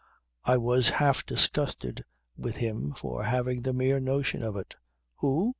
I was half disgusted with him for having the mere notion of it. "Who?"